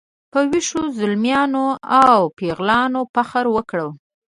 په ویښو زلمیانو او پیغلانو فخر وکړو.